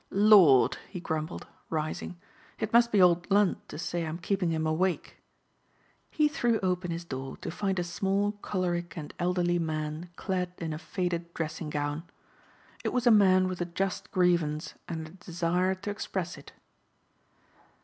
"Lord!" he grumbled, rising, "it must be old Lund to say I'm keeping him awake." He threw open his door to find a small, choleric and elderly man clad in a faded dressing gown. It was a man with a just grievance and a desire to express it.